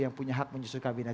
yang punya hak menyusul kabinet